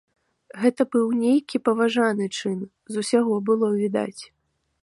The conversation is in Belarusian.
Гэта быў нейкі паважны чын, з усяго было відаць.